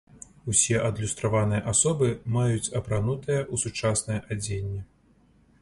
Усе адлюстраваныя асобы маюць апранутыя ў сучаснае адзенне.